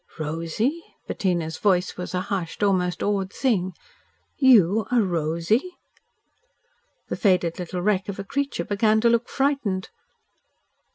"Rosy!" Bettina's voice was a hushed, almost awed, thing. "YOU are Rosy?" The faded little wreck of a creature began to look frightened.